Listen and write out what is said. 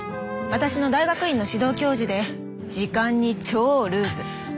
私の大学院の指導教授で時間に超ルーズ！